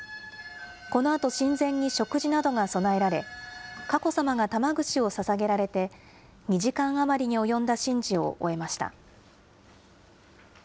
このあと、神前に食事などが供えられ、佳子さまが玉串をささげられて、２時間余りに及んだ神事を終えました。